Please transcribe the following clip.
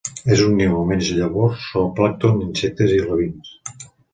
És omnívor: menja llavors, zooplàncton, insectes i alevins.